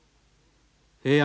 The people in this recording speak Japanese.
平安